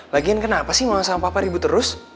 lagian kenapa sih mama sama papa ribut terus